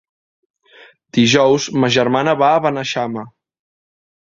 Dijous ma germana va a Beneixama.